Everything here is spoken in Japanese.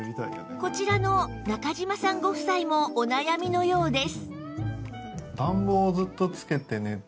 こちらの中嶋さんご夫妻もお悩みのようです